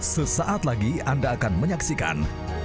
sesaat lagi anda akan menyaksikan